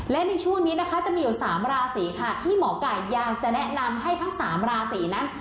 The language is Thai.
และในช่วงนี้นะคะจะมีอยู่๓ราศีค่ะที่หมอไก่อยากจะแนะนำให้ทั้ง๓ราศีนั้น